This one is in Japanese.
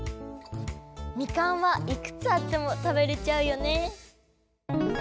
みかんはいくつあっても食べれちゃうよね。